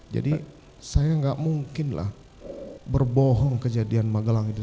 jadi saya gak mungkinlah berbohong kejadian magelang itu